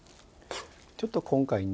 ちょっと今回ね